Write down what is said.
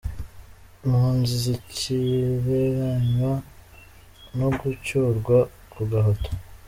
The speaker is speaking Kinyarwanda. Impunzi zikigereranywa no gucyurwa ku gahato.